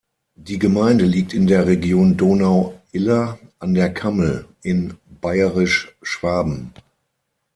Die Gemeinde liegt in der Region Donau-Iller an der Kammel in Bayerisch-Schwaben.